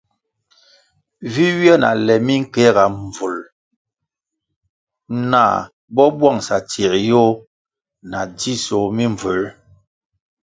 Vi ywia na le minkeega mbvul nah bo bwangʼsa tsie yoh na dzisoh mimbvū.